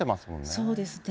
そうですね。